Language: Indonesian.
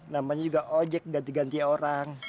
namanya juga ojek ganti ganti orang